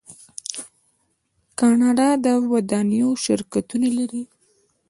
کاناډا د ودانیو شرکتونه لري.